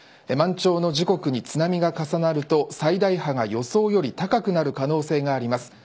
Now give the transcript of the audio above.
満潮の時刻に津波が重なると最大波が予想より高くなる可能性があります。